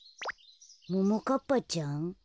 ももかっぱちゃん？